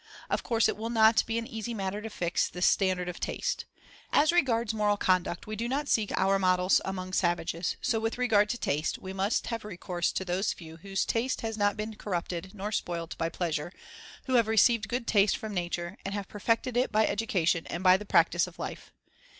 Of course it will not be an easy matter to fix this "standard of taste." As regards moral conduct, we do not seek our models among savages, so with regard to taste, we must have recourse to those few whose taste has not been corrupted nor spoilt by pleasure, who have received good taste from nature, and have perfected it by education and by the practice of life.